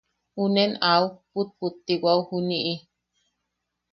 Unen auk pupputiwao juniʼi.